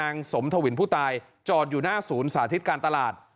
สมทวินผู้ตายจอดอยู่หน้าศูนย์สาธิตการตลาด